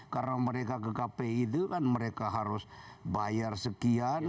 karena mereka ke kpi itu kan mereka harus bayar sekian